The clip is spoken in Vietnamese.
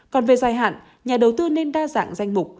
còn về dài hạn nhà đầu tư nên đa dạng danh mục